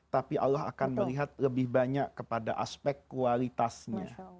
tapi allah akan melihat lebih banyak kepada aspek kualitasnya